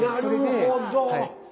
なるほど。